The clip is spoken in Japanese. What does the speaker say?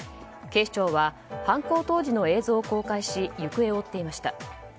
警視庁は犯行当時の映像を公開し行方を追っていました。